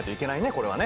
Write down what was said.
これはね。